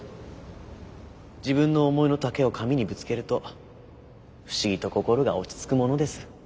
自分の思いの丈を紙にぶつけると不思議と心が落ち着くものです。